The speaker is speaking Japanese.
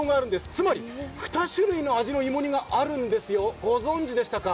つまり、２種類の味の芋煮があるんです、ご存じでしたか？